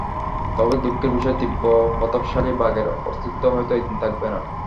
তবে দুঃখের বিষয়, তীব্র প্রতাপশালী বাঘের অস্তিত্বই হয়তো একদিন থাকবে না।